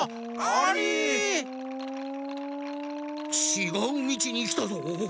ちがうみちにきたぞ。